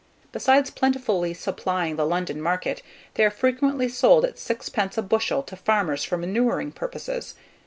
Besides plentifully supplying the London market, they are frequently sold at sixpence a bushel to farmers for manuring purposes.